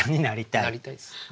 なりたいっす。